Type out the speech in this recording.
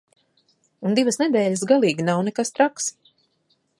Un divas nedēļas galīgi nav nekas traks.